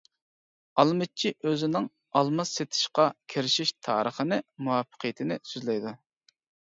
ئالمىچى ئۆزىنىڭ ئالما سېتىشقا كىرىشىش تارىخىنى مۇۋەپپەقىيىتىنى سۆزلەيدۇ.